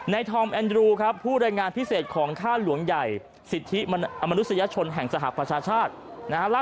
ในธรรมแอนเดลูครับผู้ละยงานพิเศษของค่าหลวงใหญ่สิทธิมนุสยชนแห่งสหปัชชาชน้าฮะ